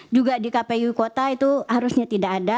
juga di kpu kota itu harusnya tidak ada